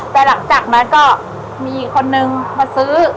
แต่หลังจากนั้นก็มีคนนึงมาซื้อ